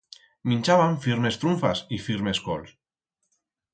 Minchaban firmes trunfas y firmes cols.